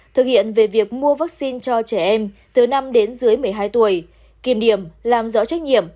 thực hiện về việc mua vaccine cho trẻ em từ năm đến dưới một mươi hai tuổi kiểm điểm làm rõ trách nhiệm